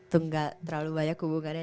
itu gak terlalu banyak hubungannya